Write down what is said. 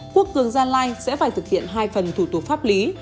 quốc cường gia lai sẽ phải thực hiện hai phần thủ tục pháp lý